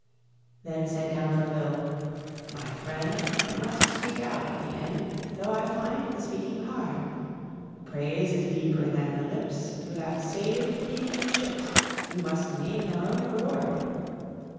Then said Damfreville, "My friend, I must speak out at the end, Though I find the speaking hard. Praise is deeper than the lips: You have saved the King his ships, You must name your own reward.